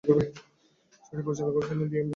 ছবিটি পরিচালনা করেছিলেন ভি এম ব্যাস।